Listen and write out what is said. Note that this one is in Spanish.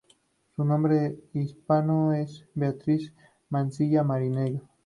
Su nombre hispano es Beatriz Mansilla Marinello.